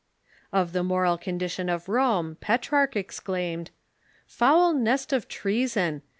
Of the moral condition of Rome, Petrarch exclaimed :" Foul nest of treason